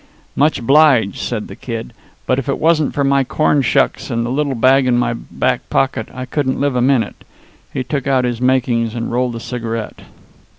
"Much obliged," said the Kid, "but if it wasn't for my corn shucks and the little bag in my back pocket I couldn't live a minute." He took out his "makings," and rolled a cigarette.